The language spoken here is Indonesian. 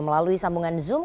melalui sambungan zoom